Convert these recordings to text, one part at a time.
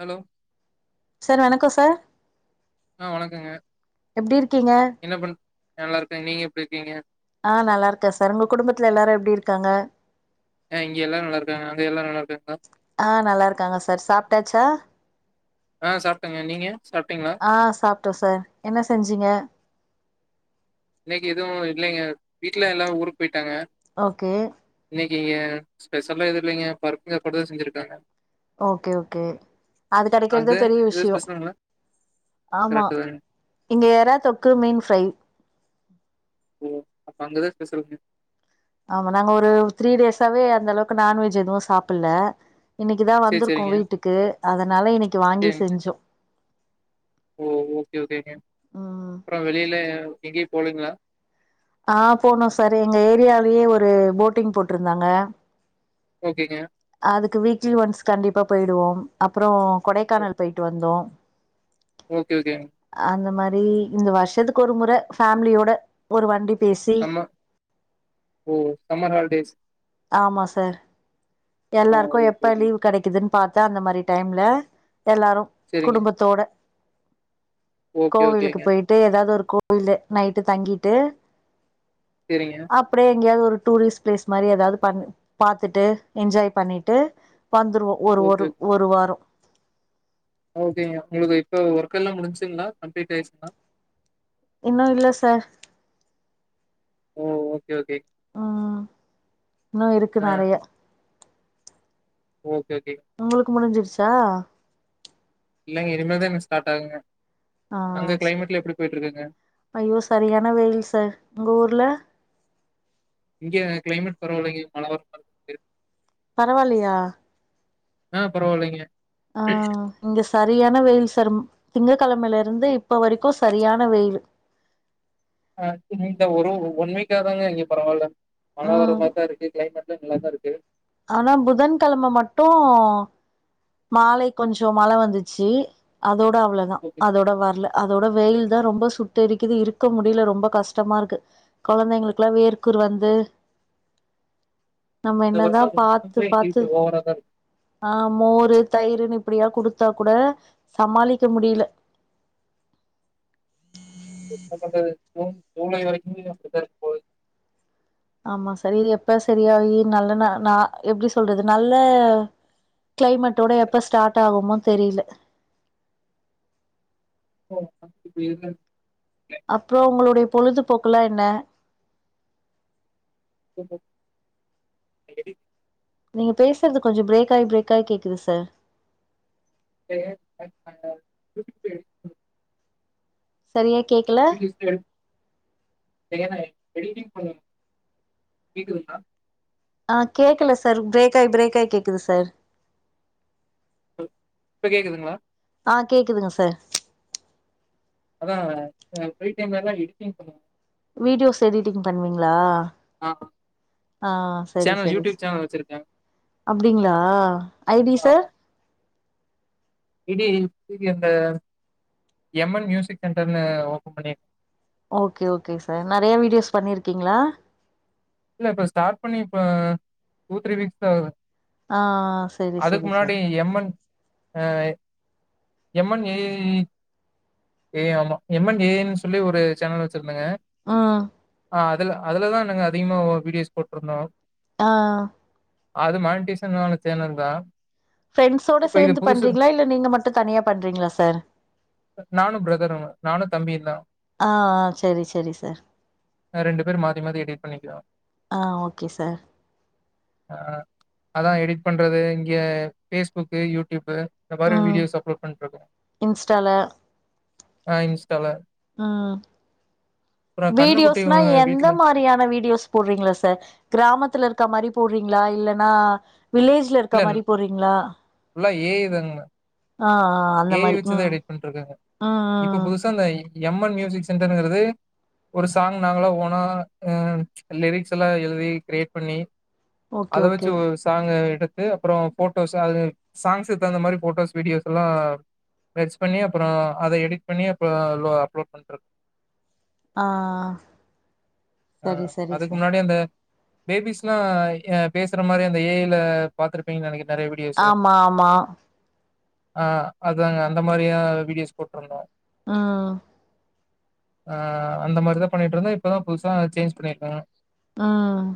Hello sir வணக்கோ sir ஆ வணக்கங்க எப்டி இருக்கீங்க என்ன பண் நல்லாருக்கே நீங்க எப்டி இருக்கீங்க ஆ நல்லா இருக்கே சார் உங்க குடும்பத்துல எல்லாரு எப்டி இருக்காங்க ஆ இங்க எல்லாரு நல்லா இருக்காங்க அங்க எல்லாரு நல்லா இருக்காங்களா ஆ நல்லா இருக்காங்க சார் சாப்ட்டாச்சா ஆ சாப்ட்டேங்க நீங்க சாப்ட்டீங்களா ஆ சாப்ட்டோ சார் என்ன செஞ்சீங்க இன்னைக்கு எதுவு இல்லேங்க வீட்ல எல்லாரு ஊருக் போய்ட் ட்டாங்க ஓகே [unintelligible] ங்க ஸ்பெஷலா எது இல்லைங்க பருப்பு சாப்பாடு தா செஞ்சிருக்காங்க ஓகே ஓகே அது அங்க கெடைக்கிற்தே பெரிய எது விஷ்யோ ஸ்பெஷலுங்களா ஆமா கரெக்ட் தாங்க இங்க எறா தொக்கு மீன் ஃரை ஓ அப்ப அங்கதா ஸ்பெஷலுங்க ஆமா நாங்க ஒரு த்ரீ டேஸாவே அந்த அளவுக்கு நான்வெஜ் எதுவு சாப்புல்ல இன்னிக்குதா சேரி வந்திருக்கோ சேரிங்க வீட்டுக்கு அதனால இன்னிக்கு வாங்கி சேரிங்க செஞ்சோ ஓ ஓகே ஓகேங்க ம் போளிங்களா ஆ போனோ சார் எங்க ஏரியாலயே ஒரு போட்டிங் போட்ருந்தாங்க ஓகேங்க அதுக்கு வீக்லி ஒன்ஸ் கண்டிப்பா போயிடுவோ அப்றோ கொடைக்கானல் போய்ட்டு வந்தோ ஓகே ஓகேங்க [unintelligible] இந்த வருஷத்துக்கு ஒரு முற பேமிலியோட ஒரு வண்டி பேசி [unintelligible] ஓ சம்மர் ஹாலிடேஸ் ஆமா சார் ஆ எல்லாருக்கு ஓகே எப்ப ஓகே லீவ் கெடைக்குதுன் பாத்தா அந்த மாதிரி டைம்ல எல்லாரு சேரிங்க குடும்பத்தோட ஓகே கோவிலுக்கு ஓகேங்க போயிட்டு எதாவது ஒரு [inaudible] நைட்டு தங்கிட்டு சேரிங்க அப்டே எங்யாவ்து ஒரு டூரிஸ் பிலேஸ் மாரி எதாவ்து பன்னு பாத்துட்டு என்ஜாய் பண்ணிட்டு வந்துருவோ ஒரு ஓகே ஒருவ் ஒரு வாரோ ஓகேங்க உங்ளுக்கு இப்ப ஒர்க் எல்லா முடிஞ்சுங்ளா கம்ப்ளீட் ஆயிருச்சுங்ளா இன்னு இல்ல சார் ஓ ஓக் ம் ம் இன்னு இருக்கு ஆ. நறைய ஓகே, ஓகே. உங்குளுக் முடிஞ்சிருச் தா இல்லைங்க இனிமேல்தா எனக் ஸ்டாட் ஆகுங்க அங்க ஆஹ் சரி கிளைமேட்லாம் எப்படி போயிட்டு இருக்குங்க? ஐயோ சரியான வெயில் சார் உங்க ஊர்ல இங்க கிளைமேட் பரவால்லைங்க மழை வர [unintelligible] பரவால்லியா ஆஹ் பரவால்லைங்க ஆஹ் இங்க சர் ரியான வெயில் சர் ம் திங்க கெழமைலருந்து இப்ப வரைக்கு சரியான வெயிலு அஹ் இந்த ஒரு ஒன் வீக்கா தாங்க இங்க பரவால்ல மழ வர்ற ம் மாரிதா க்ளைமேட் ல்ல நல்லாதாருக்கு ஆனா புதன் கெழம மட்டு மாலை கொஞ்சோ மழ வந்துச்சி அதோ ட அவ்ளதா ஓகே. அதோட வர்ல அதோட வெயில் த ரொம்ப சுட்டெரிக்குது இருக்க முடில ரொம்ப கஷ்டமாருக்கு கொழந்தைங்களுக்குலா வேர்கூர் வந்து நம்ம இந்த என்னதா வருஷம் பாத்து ரொம்பவே பாத்து ஹீட் ஓவரா தான் இருக்கு. ஆஹ் மோ தயிருனு இப்பிடியா குடுத்தா கூட சமாளிக்க முடில [unintelligible] ஜூன் ஜூலை வரைக்குமே அப்டிதா இருக்க போது ஆமா சர் இது எப்ப சரியாகி நல்ல ந நா எப்டி சொல்றது நல்ல கிளைமெட்டோட எப்ப ஸ்டாட் ஆகுமோ தெரில [inaudible] அப்றோ உங்களுடையப் பொழுதுபோக்கல்லா என்ன [inaudible] நீங்க பேசுறது கொஞ்சோ பிரேக்காயீ பிரேக்காய் கேக்குது சார் [unintelligible] சரியாய் [unintelligible] எடிட்டிங் பண்ணனு கேக்குதுங்ளா ஆ கேக்கல சார் பிரேக்காய் பிரேக்காய் கேக்குது சார் [unintelligible] இப்ப கேக்குதுங்ளா ஆ கேக்குதுங் சார் ஆ ஆ ஃப்ரி டைம்லா எடிட்டிங் பண்ணுவே வீடியோஸ் எடிட்டிங் பண்ணுவீங்ளா ஆ ஆ செரி சேனல் செரிஸ்ஸூ யூடியூப் சேனல் வச்சிருக்கே அப்டிங்களா I T sir E D இந்த எம் என் மியூசிக் சென்டர்னு ஓபன் பண்ணிர் ஓகே ஓகே சார் நெறைய வீடியோஸ் பண்ணிருக்கீங்ளா இல்ல இப்ப ஸ்டார்ட் பண்ணி இப்ப டூ த்ரீ வீக்ஸ் தா ஆகுது ஆ செரி அதுக்கு செரி முன்னாடி சார் எம் என் ஆ எம் என் ஏ ஏ ஈ ஏ ஆமா எம் என் ஏ ன் சொல்லி ஒரு சேனல் வச் இருந்தங்க ம் ஆ அதுல அதுலதான் அதிகமா ஓ வீடியோஸ் போட்ருந்தோ ஆ ஆ அது மேனன்டீஸ்ஸூ இல்லாத சேனல்க்கா ஃபிரேண்ட்ஸ்ஸோட சேந்து பண்றீங்ளா இல்ல நீங்க மட்டூ தனியா பண்றீங்ளா சார் நானு பிரதரு நானு தம்பியுந்தா ஆ ஆ செரி செரி சார் ரெண்டு பேர் மாத்தி மாத்தி எடிட் பண்ணிக்கிறோ ஆ ஓகே சார் அதா எடிட் பண்றது இங்க பேஸ்புக்கு யூடியூப்பு இந்த மாரி ம் வீடியோஸ் அப்லோட் பண்ட்ருக்கோ இன்ஸ்டால ஆ இன்ஸ்டால ஆ அப்புறம் கண்ணுக்குட்டி வீடியோஸ்னா அ எந்த வீட்ல மாரியான வீட் வீடியோஸ் போட்றீங்ளா சார் கிராமத்துல இருக்கா மாரி போட்றீங்ளா இல்லன்னா வில்லேஜ்ல இருக்கா இல்ல மாரி போட்றீங்ளா ஃபுல்லா ஏஐ தாங்க. ஆ ஆ அந்த ஏஐ மாரி வச்சு தான் உம் எடிட் உம் உம் எம் என் மியூசிக் சென்டர்ங்கிறது ஒரு சாங் நாங்களா ஓனா லிரிக்ஸ் எல்லா எழுதி கிரியேட் பண்ணி ஓகே அத வச்சு ஓகே ஒரு சாங்கு எடுத் து அப்றோ ஃபோட்டோஸ்ஸு [unintelligible] சாங்ஸ் தகுந்த மாரி ஃபோட்டோஸ் வீடியோஸ்ல்லா மெர்ஷ் பண்ணி அப்றோ அத எடிட் பண்ணி அப்லோ லோ அப்லோட் பண்றது ஆ ஆ ஆ அதுக்கு முன்னாடி அந்த பேபிஸ்ல்லா ஆ பேசுற மாரி அந்த ஏ ஐ ல பாத்திருப்பீங்கனு நெனைக்கறே ஆமா ஆமா ஆஹ் அதாங்க அந்த மாதிரியா வீடியோஸ் போட்டிருந்தோம் ஆஹ் ஆஹ் அந்த மாதிரிதான் பண்ணிட்டு இருந்தோம் இப்பதான் புது சேஞ்ச் பண்ணியிருக்கோம் ஆஹ்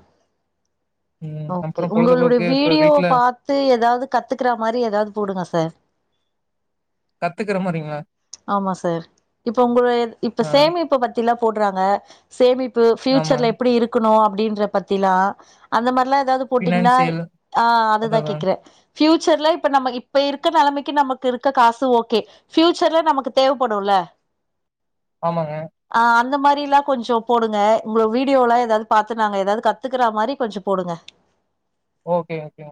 ம் ஓக்கே அப்புறம் உங்களுடைய பொழுதுபோக்கு இப்ப வீடியோ வீட்ல பாத்து ஏதாவது கத்துக்கற மாதிரி ஏதாவது போடுங்க சார் கத்துக்கற மாரிங்களா ஆமா சார் இப்போ உங்கலோய இப்ப ஆ சேமிப்பு பத்திலா போடுறாங்க சேமிப் பு ஆமா. ஃபியூச்சர்ல எப்படி இருக்கணு அப்டின்ற பத்திலா அந்த மாரிலா எதாது போட்டிங்னா ஃபினான்சியல் ஆ அதுதா அதான் அதான். கேக்குறே ஃபியூச்சர்ல இப்ப நம்ம இப்ப இருக்க நெலமைக்கு நமக்கு இருக்க காசு ஓகே ஃபியூ ஃப்யூச்சர்ல நமக்கு தேவப்படுல்ல ஆமாங்க. ஆ அந்த மாரி லா கொஞ்சோ போடுங்க உங்க வீடியோல ஏதாது பாத்து நாங்க ஏதாது கத்துக்குறா மாரி கொஞ்சோ போடுங்க ஓகே ஓகேங்க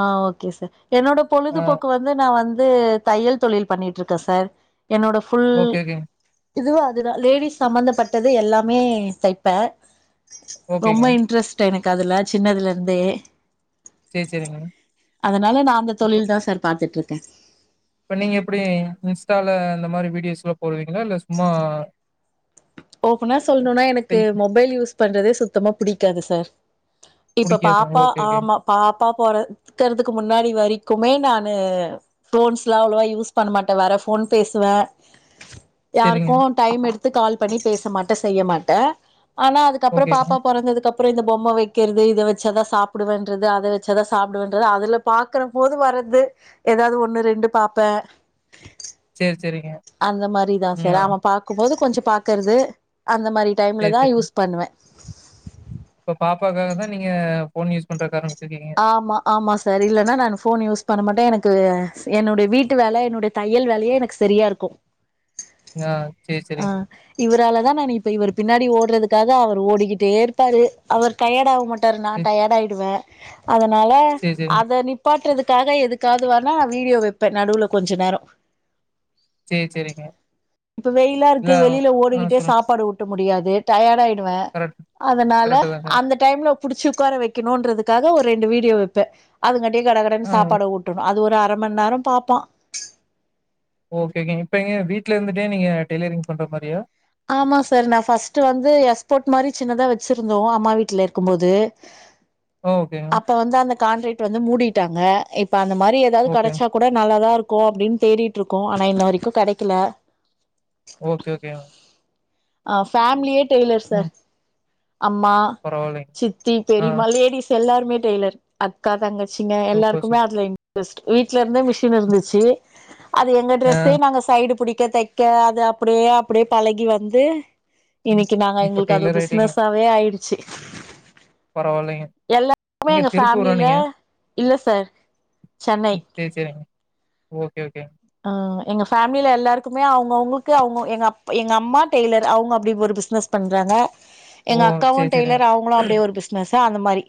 ஆ ஓகே சார் என்னோட ஆ பொழுதுபோக்கு வந்து நா வந் ந்து தையல் தொழில் பண்ணிட்ருக்க சார் என்னோட ஃபுல் ஓகே, ஓகேங்க. இதுவு அதுதா லேடிஸ் சம்ம்பந்தப்பட்டது எல்லாமே தைப்பே ரொம்ப ஓகேங்க. இன்ட்ரெஸ்ட் எனக் க் அதுல சின்னதுல இருந்தே சரி, சரிங்க. அதனால நா அந்த இப்ப தொழில்தா சார் பாத்துட்ரு க்க இப்ப நீங்க எப்டி இன்ஸ்டால அந்த மாரி வீடியோஸ்ல்லா போடுவீங்களா இல்ல சும்மா ஓபனா சொல்லணுன்னா எனக்கு மொபைல் யூஸ் பண்றதே சுத்தமா புடிக்காது சார் இப்ப புடிக்காது. பாப்பா ஓகே, ஓகே. ஆமா பா ப்பா போறக்கறதுக்கு முன்னாடி வரிக்குமே நானு ஃபோன்ஸ் லா அவ்ளோவா யூஸ் பண்ண மாட்டே வர ஃபோன் பேசுவ சரிங்க. யாருக்கோ டைம் எடுத் த்து கால் பண்ணி பேச மாட்ட செய்ய மாட்ட ஆனா அதுக்கப்புறம் ஓகேங்க. பாப்பா பொறந்ததுக் கப் அப்றோ இந்த பொம்ம வைக்கிறது இத வச்சாதா சாப்டுவேண்றது அத வச்சாதா சாப்டுவேண்றது அதுல பாக்குற போது வர்றது ஏதாவது ஒண்ணு ரெண்டு பாப்பே சரி, சரிங்க. அந்த மாரி தா ம். சார் ஆ. அவ பாக்கும் போது கொஞ்சோ பாக்கறது அந்த மரி டைம்ல தா யூஸ் பண்ணுவே ப்போ பாப்பாக்காக தா நீங்க ஃபோன் யூஸ் பண்ற காரண் ஆமா ஆமா சார் இல்லன்னா நானு ஃபோன் யூஸ் பண்ண மாட்டே எனக் க்கு என்னுடைய வீட்டு வேல என்னுடைய தையல் வேலையே எனக்கு செரியா இருக்கு ஆஹ் சேர் சரிங் இதாலதான் நானு இப்ப இவரு பின்னாடி ஓடுறதுக்காக அவர் ஓடிக்கிட்டே இருப்பாரு அவர் டையடாவ மாட் டர் நா ம். டயர்ட் ஆயிடுவேன் அதனால சரி, சரிங்க. அத நிப்பாற்றதுக் க்காக எதுக்காதுவானா வீடியோ வைப்பேன் நடுல கொஞ்ச நேரம் சரி, சரிங்க. இப்ப வெயிலா இல்ல இருக்கு வெளியில ஆ ஓடிக்கிட்டே சொல்லுங்க. சாப்பாடு வுட்டு முடியாது டயாடாயிடும் கரெக்ட் அதனால கரெக்ட்டு தாங்க. அந்த டைம்ல புடிச்சு உக்கார வைக்கணும்றதுக்கு அதுக்காக ஒரு ரெண்டு வீடியோ வைப்பேன் அது கிட் கடகடன்னு ஆ சாப்பாடு ஊட்டணும் அது ஒரு அரை மணி நேரம் பாப்பான் ஓகேங்க இப்ப எங்க வீட்டுல இருந்துட்டே நீங்க டெய்லரிங் பண்ற மாதிரியா ஆமா சார் நான் ஃபஸ்ட் வந்து எக்ஸ்போர்ட் மாதிரி சின்னதா வச்சிருந்தோம் அம்மா வீட்டுல இருக்கும்போது ஓ ஓகேங்க, அப்ப வந்து அந்த கண்ட்ரிக்ட் வந்து மூடிட்டாங்க இப்ப அந்த மாதிரி ஏதாவது ஓகேங்க. கடைச்சா கூட நல்லாதான் இருக்கும் ஓ அப்படின்னு தேடிட்டு இருக்கோம் ஆனா இன்ன வரைக்கும் கிடைக்கல ஓகே ஓகேங்க ஆ் ஃபேமிலியே டெய்லர் ம். சார் அம்மா பரவாயில்லைங்க. சித்தி ஆ பெரிமா லேடிஸ் எல்லாரும் எல்லாமே டெய்லர் அக்கா தங்க சிங்க சூப்பர், எல்லாருக்குமே சூப்பர். அதுல இன்ட்ரெஸ்ட் வீட்டலருந்தே மிஷின் இருந்துச்சு அது எங்க ஆ டிரஸ்ஸே நாங்க சைடு புடிக்க தைக்க தைக்க அது அப்படியே அப்படியே பழகி வந்து [inaudible] ம். இன்னைக்கு நாங்க இப்ப எங்களுக்கு அது டெய்லர் ஆயிட்டீங்க. பிசினஸாவே ஆயிடுச்ச [unintelligible] பரவாயில்லைங்க. எல்லாருமே எங்க திருப்பூரா ஃபேமிலில நீங்க? இல்ல சார் சென்னை ம். சரி, சரிங்க. ஓகே ஓகே ம் எங்க ஃபேம்லில எல்லாருக்குமே அவுங்கவுங்களுக்கு அவங்க எங்க அப் எங்க அம்மா டெய்லர் அவங்க அப்டி ஒரு பிஸ்னஸ் பண்றாங்க ஓ! எங்க அக்காவு சரி, சரிங்க. டெய்லர் அவங்களு அப்டியே ஒரு பிசினஸ் தா அந்த மாரி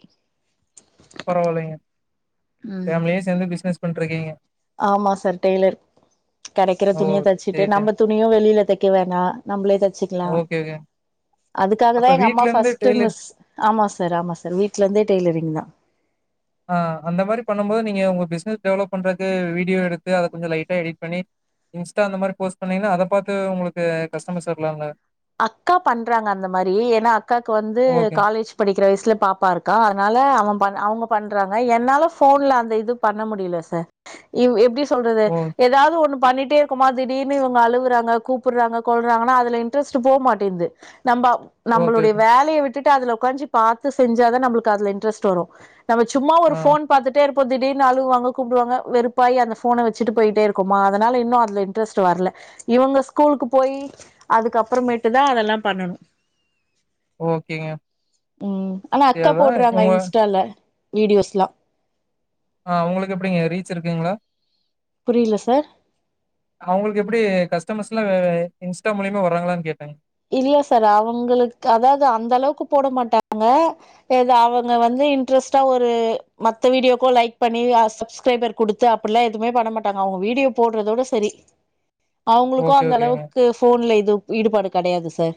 பரவால்லைங்க ம் பேமிலி சேந்து பிசினஸ் பண்ட்ருக்கீங்க. ஆமா சார் டெய்லர் கெடைக்கிற ஓ! துணிய தச்சிட்டு சரி, சரி. நம்ம துணியு வெளியில தை க்க வேணா நம்மளே தை ச்சுக்கலா ஓகே, ஓகே. அதுக்காக அப்ப தா எங்க அம்மா வீட்ல இருந்து ஃபர்ஸ்ட் டெய்லர் மிஸ் ஆமா சார் ஆமா சார் வீட்டுல இருந்தே டெய்லரிங் தா ஆஹ் அந்த மாதிரி பண்ணும் போது நீங்க உங்க பிசினனஸ் டெவலப் பண்றதுக்கு வீடியோ எடுத்து அத கொஞ்சோ லைட்டா எடிட் பண்ணி இன்ஸ்டா அந்த மாரி போஸ்ட் பண்ணீங்கன்னா அத பாத்து உங்களுக்கு கஸ்டமர்ஸ் வர்லால்ல அக்கா பண்றாங்க அந்த மாரி ஏனா அக்காக்கு வந்து ஓகே. காலேஜ் படிக்கிற வயசுல பாப்பா இருக்கா அதனால அவ பண் அவங்க பண்றாங்க என்னால ஃபோன்ல அந்த இது பண்ண முடியல சார் இவ் எப்டி சொல்றது ஓ ஏதாது ஒண்ணு பண்ணிட்டே இருக்கமா திடீர்னு இவங்க அழுவுறாங்க கூப்பிடுறாங்க கொல்றாங்கன்னா அதுல இன்ட்ரஸ்ட் போ மாட்டிங்குது. நம்ம ஓகே, நம்மளுடைய ஓகே. வேலைய விட் ட்டு அதுல உக்காஞ்சி பாத்து செஞ்சாதா நம்மளுக்கு அதுல இன்டரஸ்ட் வரு நம்ம சும்மா ஒரு ஆ ஃபோன் பாத்துட்டே இரு ப்போ திடீர்னு அழுவாங்க கூப்புடுவாங்க வெறுப்பாயி அந்த ஃபோன வச்சிட்டு போயிட்டே இருக்கோமா அதனால இன்னு அதுல இன்ட்ரஸ்ட் வர்ல இவங்க ஸ்கூலுக்கு போயி அதுக்கப்புறமேட்டு தா அதெல்லா பண்ணணு ஓகேங்க. உம் ஆனா சரி அக்கா அதான் போட்றாங்க உங்க இன்ஸ்டால. வீடியோஸ்லா ஆஹ் அவுங்களுக்கு எப்படிங்க ரீச் இருக்குங்களா. புரியல சார். அவங்களுக்கு எப்புடி கஸ்டமர்ஸ் எல்லா இன்ஸ்டா மூலியமா வர்றாங்களான் கேட்டங் இல்ல சார் அவங்களுக்கு அதாது அந்த அளவுக்கு போட மாட்டாங்க ஏ அவங்க வந்து இன்ட்ரெஸ்ட்டா ஒரு மத்த வீடியோக்கு லைக் பண்ணி சப்ஸ்கிரைபர் குடுத்து அப்படில்லா எதுவுமே பண்ண மாட்டாங்க அவங்க வீடியோ போடுறதோட சரி. அவுங்ளுக்கு ஓகே, அந்த ஓகேங்க. அளவுக்கு ஃபோன்ல இது ஈடுபாடு கெடையாது சார்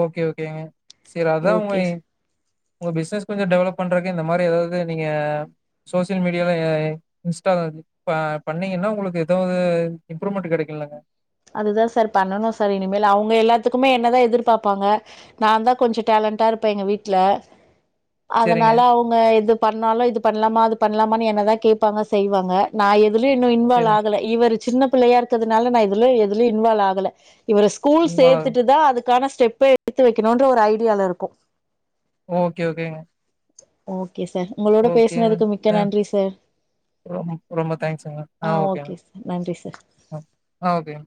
ஓகே ஓகேங்க சேரி அதா உங்க ஓகே சார் உங்க பிஸ்னஸ் கொஞ்ச டெவலப் பண்றக் கு இந்த மாரி ஏதாது நீங்க சோசியல் மீடியால எ இன்ஸ்டா ப பண்ணீங்கன்னா உங்களுக்கு ஏதாவது இம்ப்ரூவ்மெண்ட் கெடைக்கு இல்லங்க அதுதா சார் பண்ணனு சார் இனிமேல் அவங்க எல்லாத்துக்குமே என்னதா எதிர்பாப்பாங்க நா தா கொஞ்ச டேலண்டா இருப்ப எங்க வீட்ல செரிங்க அதனால அவங்க எது பண்ணாலு இது பண்லாமா அது பண்லாமா என்னதா கேப்பாங்க செய்வாங்க நா எ துலயு இன்னு இன்வால்வ் செரிங் ஆகல இவரு சின்ன பிள்ளையா இருக்கதுனால நா எதுல எதுலயு இன்வால்வ் ஆகல இவர ஸ்கூல் உங்கள சேத்துட்டு தா அதுக்கான ஸ்டெப்ப எடுத்து வெக்கணுன்ற ஒரு ஐடியால இருக்கோ ஓக்கே ஓக்கேங்க ஓக் கே சார் உங்களோட பேசுனதுக்கு மிக்க ஆ நன்றி சார் ரொம் ரொம்ப தேங்க்ஸுங்க ஆ ஓகேங்க ஓக்கே சார் நன்றி சார் ஆ ஆ ஓகேங்க